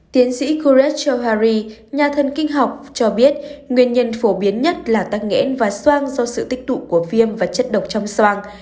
tiến sĩ kuret chohari nhà thân kinh học cho biết nguyên nhân phổ biến nhất là tắc nghẽn và soang do sự tích tụ của viêm và chất độc trong soang